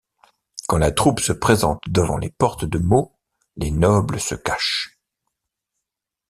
Quand la troupe se présente devant les portes de Meaux, les nobles se cachent.